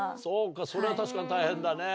それは確かに大変だね。